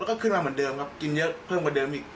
แล้วก็ขึ้นมาเหมือนเดิมครับกินเยอะเพิ่มกว่าเดิมอีก